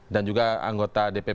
dan juga anggota dpp